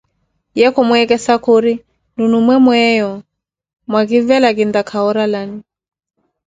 Ye khu mwemessa, khuri nunu nwe mweyo mwakivela kintaaka wurralani.